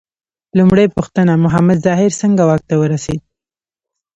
لومړۍ پوښتنه: محمد ظاهر څنګه واک ته ورسېد؟